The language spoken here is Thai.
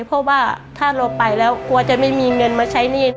เพราะว่าถ้าเราไปแล้วกลัวจะไม่มีเงินมาใช้หนี้